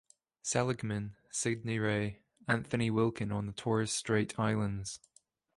Seligman, Sidney Ray, Anthony Wilkin on the Torres Strait Islands.